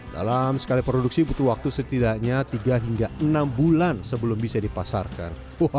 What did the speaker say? dalam sekali produksi butuh waktu setidaknya tiga hingga enam bulan sebelum bisa dipasarkan